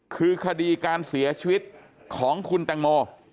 คือคดีการเสียชีวิตของคุณแตงโม